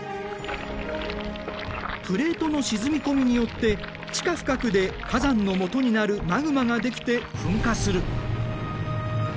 プレートの沈み込みによって地下深くで火山のもとになるマグマができて噴火する。